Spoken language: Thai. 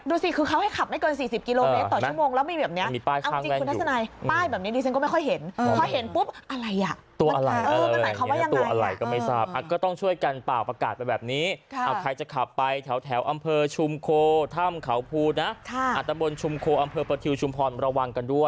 ดูสิคือเค้าให้ขับได้เกิน๔๐กิโลเมตรต่อชั่วโมง